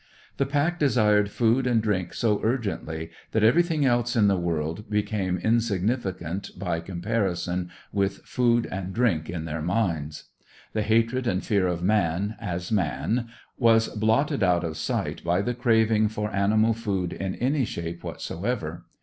The pack desired food and drink so urgently that everything else in the world became insignificant by comparison with food and drink in their minds. The hatred and fear of man, as man, was blotted out of sight by the craving for animal food in any shape whatsoever.